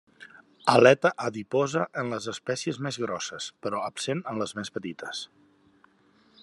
Aleta adiposa en les espècies més grosses, però absent en les més petites.